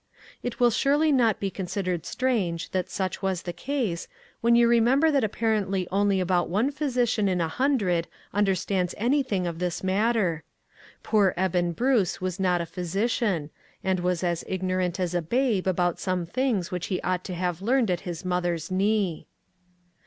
It will surely not be considered strange that such was the case, when you remem ber that apparently only about one physi 144 ONE COMMONPLACE DAY. cian in a hundred understands anything of tli is matter ! Poor Eben Bruce was not a physician, and was as ignorant as a babe about some things which he ought to have learned at his mother's knee.